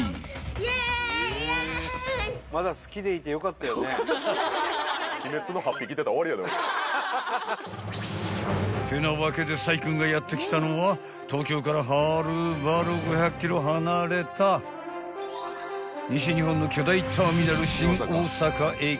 ［ってなわけで宰君がやって来たのは東京からはるばる５００ｋｍ離れた西日本の巨大ターミナル］